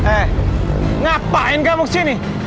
eh ngapain kamu kesini